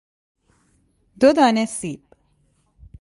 دو دانه سیب